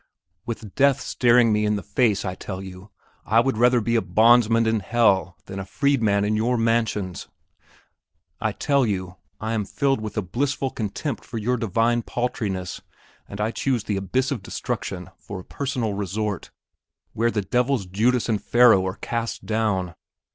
with death staring me in the face I tell you, I would rather be a bondsman in hell than a freedman in your mansions! I tell you, I am filled with a blissful contempt for your divine paltriness; and I choose the abyss of destruction for a perpetual resort, where the devils Judas and Pharaoh are cast down!